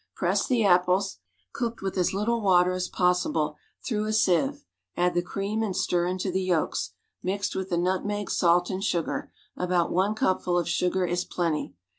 Press the apples, cooked with as little Avatcr as possible, through a sieve; add the cream and stir into the yolks, mixed with the nutmeg, salt and sugar; about one cupful of sugar is plenty.